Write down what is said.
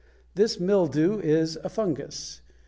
This mildew is a fungus.